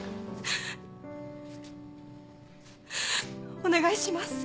お願いします。